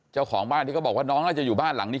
เจ้าของบ้านที่เขาบอกว่าน้องน่าจะอยู่บ้านหลังนี้